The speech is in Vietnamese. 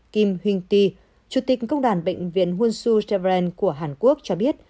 kim hwing ti chủ tịch công đoàn bệnh viện hunsu jewelry của hàn quốc cho biết